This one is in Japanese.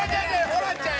ホランちゃん！